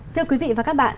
thưa quý vị và các bạn